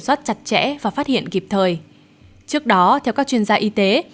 soát chặt chẽ và phát hiện kịp thời trước đó theo các chuyên gia y tế